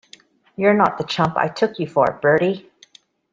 You're not the chump I took you for, Bertie.